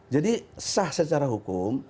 jadi sah secara hukum